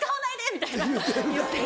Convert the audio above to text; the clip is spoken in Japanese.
みたいな言って。